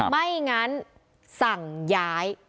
ไม่งั้นสั่งย้าย